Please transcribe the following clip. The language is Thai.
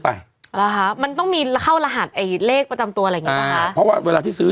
เป็นการกระตุ้นการไหลเวียนของเลือด